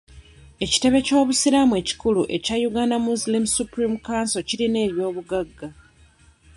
Ekitebe ky'obusiraamu ekikulu ekya Uganda Muslim Supreme Council kirina eby'obuggaga.